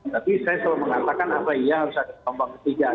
tapi saya selalu mengatakan apa iya harus ada gelombang ketiga